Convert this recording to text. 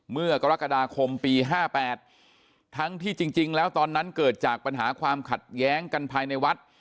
เมื่อกรกฎาคมปี๕๘ทั้งที่จริงแล้วตอนนั้นเกิดจากปัญหาความขัดแย้งกันภายในวัด